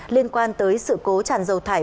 liên quan tới sự cố tràn dầu thải